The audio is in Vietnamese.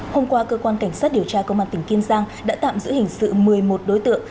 hôm qua cơ quan cảnh sát điều tra công an tỉnh kiên giang đã tạm giữ hình sự một mươi một đối tượng